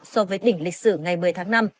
so với đỉnh lịch sử ngày một mươi tháng năm